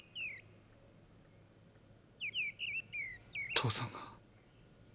父さんが。